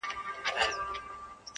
دا چي امیل نه سومه ستا د غاړي ,